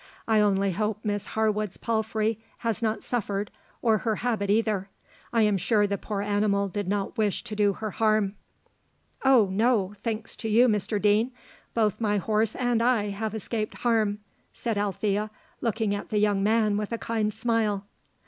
I only hope Miss Harwood's palfrey has not suffered, or her habit either; I am sure the poor animal did not wish to do her harm." "Oh, no! thanks to you, Mr Deane, both my horse and I have escaped harm," said Alethea, looking at the young man with a kind smile.